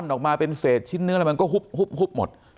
ออกมาเป็นเศษชิ้นเนื้ออะไรมันก็หุบหมด